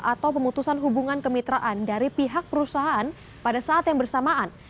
atau pemutusan hubungan kemitraan dari pihak perusahaan pada saat yang bersamaan